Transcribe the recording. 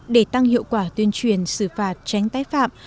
để tăng hiệu quả tuyên truyền xử phạt tránh tái phạm